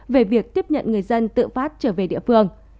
về việc tiếp nhận người dân tự phát trở về địa phương